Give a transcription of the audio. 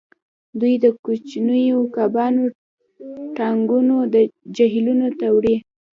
دوی د کوچنیو کبانو ټانکونه جهیلونو ته وړي